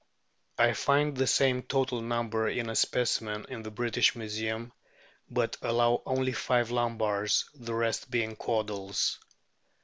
I mid the same total number in a specimen in the British Museum, but allow only five lumbars, the rest being caudals.